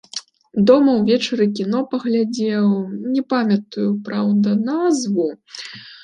Дома ўвечары кіно паглядзеў, не памятаю, праўда, назву.